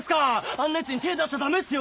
あんなヤツに手ぇ出しちゃダメっすよ